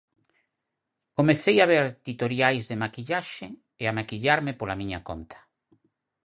Comecei a ver titoriais de maquillaxe e a maquillarme pola miña conta.